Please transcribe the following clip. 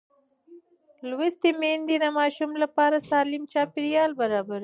لوستې میندې د ماشوم لپاره سالم چاپېریال برابروي.